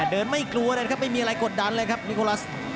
เดินไม่กลัวเลยครับไม่มีอะไรกดดันเลยครับลิโกรัส